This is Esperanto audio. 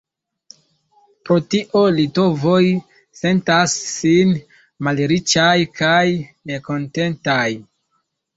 Pro tio litovoj sentas sin malriĉaj kaj nekontentaj.